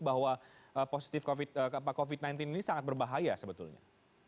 bahwa positif covid sembilan belas ini sangat berbahaya sebetulnya